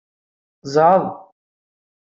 Zɛeḍ.